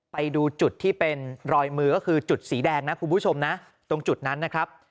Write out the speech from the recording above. ไปดูจุดที่เป็นรอยมือก็คือจุดสีแดงนะคุณผู้ชมนะตรงจุดนั้นนะครับ